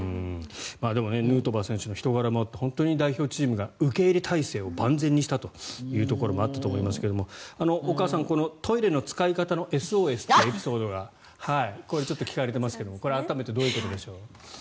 でもヌートバー選手の人柄もあって本当に代表チームが受け入れ態勢を万全にしたところもあったと思いますがお母さん、トイレの使い方のＳＯＳというエピソードがこれ、ちょっと聞かれてますが改めて、どういうことでしょう。